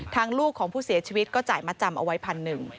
ทางลูกของผู้เสียชีวิตก็จ่ายมัดจำเอาไว้๑๐๐๐บาท